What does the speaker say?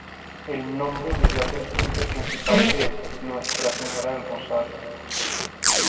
El nombre oficial del puente principal es: ""Nuestra Señora del Rosario"".